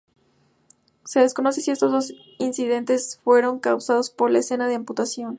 Se desconoce si estos dos incidentes fueron causados por la "escena de amputación".